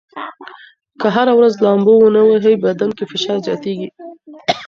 که هره ورځ لامبو ونه ووهئ، بدن کې فشار زیاتېږي.